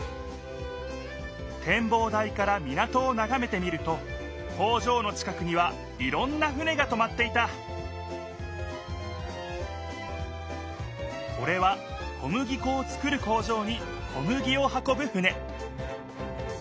てんぼう台から港をながめてみると工場の近くにはいろんな船がとまっていたこれは小麦こを作る工場に小麦を運ぶ船